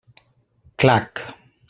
Clac!